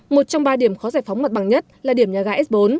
một trong ba điểm khó giải phóng mặt bằng nhất là điểm nhà ga s bốn